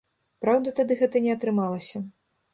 Праўда, тады гэта не атрымалася.